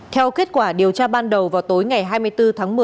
theo kết quả điều tra ban đầu vào tối ngày hai mươi bốn tháng một mươi